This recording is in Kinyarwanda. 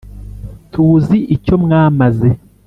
tuzi icyo mwamaze